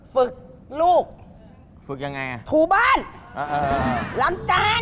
ฝึกลูกถูบ้านล้ำจ้าน